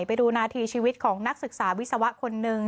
ไปดูนาทีชีวิตของนักศึกษาวิศวะคนหนึ่ง